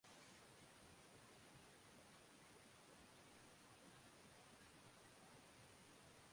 També fou soci de l'Ateneu Barcelonès i de l'Associació Catalanista d'Excursions Científiques.